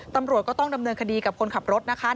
ตำรวจก็ต้องดำเนินคดีกับคนขับรถนะคะ